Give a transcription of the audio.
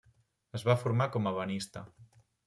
Es va formar com ebenista.